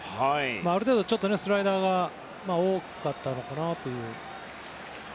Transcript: ある程度、スライダーが多かったのかなという。